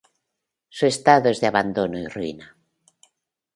Su estado es de abandono y ruina.